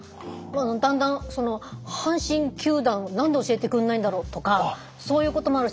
だんだん阪神球団は何で教えてくんないんだろうとかそういうこともあるし